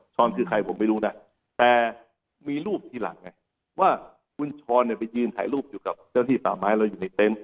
คือใครผมไม่รู้นะแต่มีรูปทีหลังไงว่าคุณช้อนเนี่ยไปยืนถ่ายรูปอยู่กับเจ้าที่ป่าไม้เราอยู่ในเต็นต์